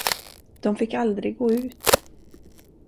De fick aldrig gå ut.